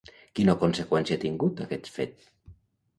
Quina conseqüència ha tingut, aquest fet?